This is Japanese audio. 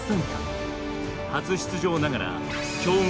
初出場ながら強豪